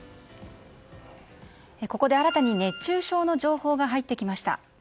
ここで新たに熱中症の情報が入ってきました。